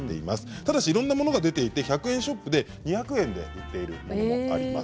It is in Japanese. ただしいろいろなものが出ていて１００円ショップで２００円で売っているものがあります。